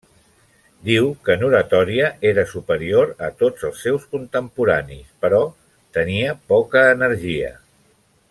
Diu que en oratòria era superior a tots els seus contemporanis, però tenia poca energia.